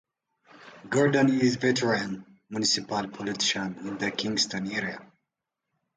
Gordon is a veteran municipal politician in the Kingston area.